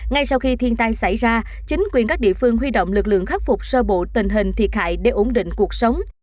ngay sau khi thiên tai xảy ra chính quyền các địa phương huy động lực lượng khắc phục sơ bộ tình hình thiệt hại để ổn định cuộc sống